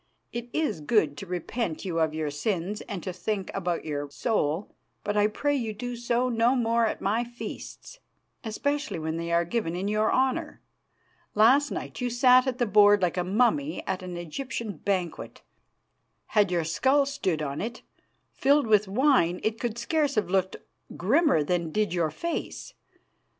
It is good to repent you of your sins and to think about your soul, but I pray you do so no more at my feasts, especially when they are given in your honour. Last night you sat at the board like a mummy at an Egyptian banquet. Had your skull stood on it, filled with wine, it could scarce have looked grimmer than did your face.